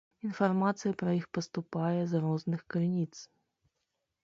Інфармацыя пра іх паступае з розных крыніц.